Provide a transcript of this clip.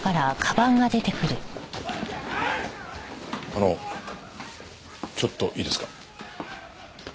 あのちょっといいですか？